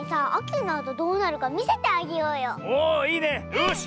よし！